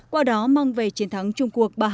qua đó mang về chiến thắng trung quốc ba hai